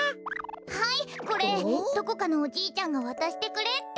はいこれどこかのおじいちゃんがわたしてくれって。